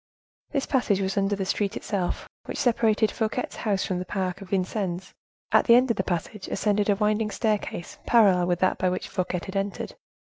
This passage was under the street itself, which separated Fouquet's house from the Park of Vincennes. At the end of the passage ascended a winding staircase parallel with that by which Fouquet had entered.